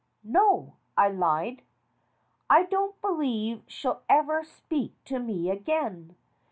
"No," I lied. "I don't believe she'll ever speak to me again.